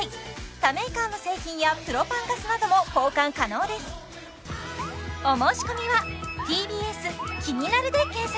他メーカーの製品やプロパンガスなども交換可能ですではプレゼント